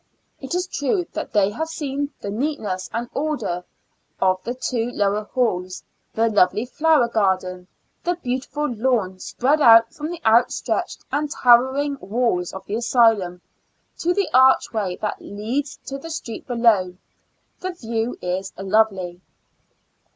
It is true, they have seen the neatness and order of the two lower halls — the lovely flower garden — the beautiful lawn spread out from the out stretched and towering walls of the asylum, to the archway that leads to the street below; the view is lovely.